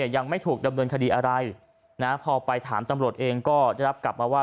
ยังไม่ถูกดำเนินคดีอะไรนะพอไปถามตำรวจเองก็ได้รับกลับมาว่า